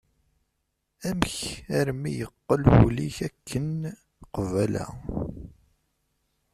Amek armi yeqqel wul-ik akken qbala?